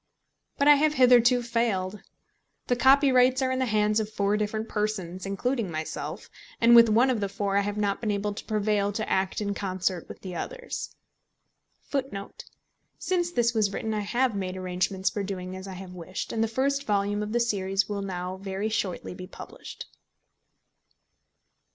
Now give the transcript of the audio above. But I have hitherto failed. The copyrights are in the hands of four different persons, including myself, and with one of the four I have not been able to prevail to act in concert with the others. [Footnote 10: Since this was written I have made arrangements for doing as I have wished, and the first volume of the series will now very shortly be published.